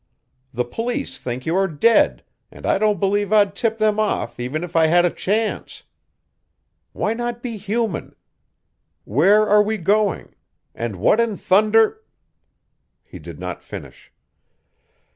The Police think you are dead, and I don't believe I'd tip them off even if I had a chance. Why not be human? Where are we going? And what in thunder " He did not finish.